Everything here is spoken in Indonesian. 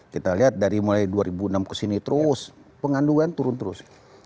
kita lihat dari mulai dua ribu enam ke sini terus penganduan turun terus